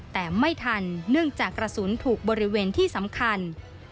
แต่ไม่ทันเนื่องจากกระสุนถูกบริเวณที่สำคัญ